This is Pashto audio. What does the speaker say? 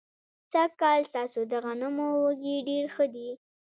سږ کال ستاسو د غنمو وږي ډېر ښه دي.